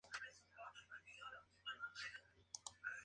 La figura de arriba muestra tres curvas de Köhler de cloruro de sodio.